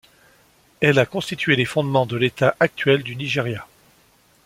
Elle a constitué les fondements de l'état actuel du Nigeria.